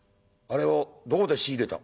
あれをどこで仕入れた？」。